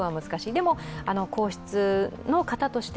でも皇室の方として